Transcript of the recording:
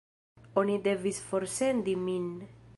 Oni devis forsendi min.